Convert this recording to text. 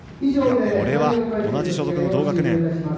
これは、同じ所属の同学年。